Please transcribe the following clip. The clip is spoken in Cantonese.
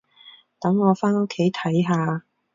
等我返屋企睇下